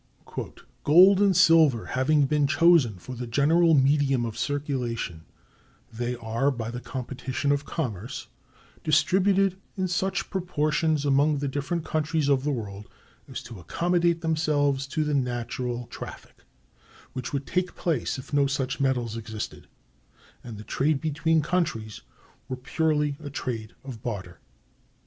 (279) "Gold and silver having been chosen for the general medium of circulation, they are, by the competition of commerce, distributed in such proportions among the different countries of the world as to accommodate themselves to the natural traffic which would take place if no such metals existed, and the trade between countries were purely a trade of barter."